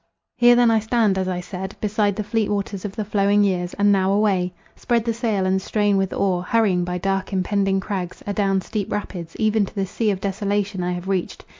Here then I stand, as I said, beside the fleet waters of the flowing years, and now away! Spread the sail, and strain with oar, hurrying by dark impending crags, adown steep rapids, even to the sea of desolation I have reached.